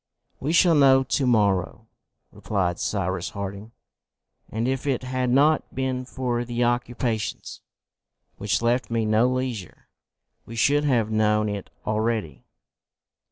"We shall know to morrow," replied Cyrus Harding, "and if it had not been for the occupations which left me no leisure, we should have known it already."